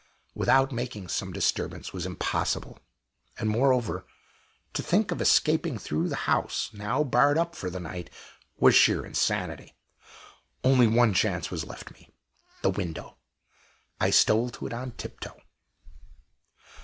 without making some disturbance was impossible; and, moreover, to think of escaping through the house, now barred up for the night, was sheer insanity. Only one chance was left me the window. I stole to it on tiptoe.